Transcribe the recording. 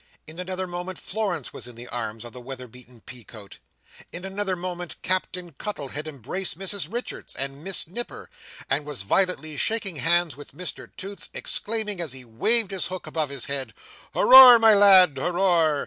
In another moment, Florence was in the arms of the weather beaten pea coat. In another moment, Captain Cuttle had embraced Mrs Richards and Miss Nipper, and was violently shaking hands with Mr Toots, exclaiming, as he waved his hook above his head, "Hooroar, my lad, hooroar!"